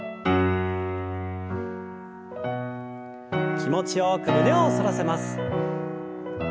気持ちよく胸を反らせます。